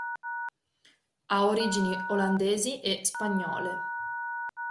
Ha origini olandesi e spagnole.